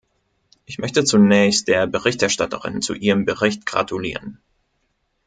Ich möchte zunächst der Berichterstatterin zu ihrem Bericht gratulieren.